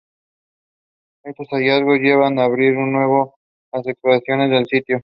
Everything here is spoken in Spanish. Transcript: Estos hallazgos llevaron a abrir de nuevo las excavaciones del sitio.